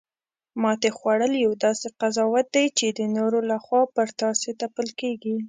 ماتې خوړل یو داسې قضاوت دی چې د نورو لخوا پر تاسې تپل کیږي